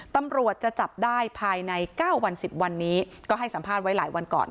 ตำรวจจะจับได้ภายใน๙วัน๑๐วันนี้ก็ให้สัมภาษณ์ไว้หลายวันก่อน